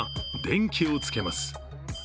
電気をつけます。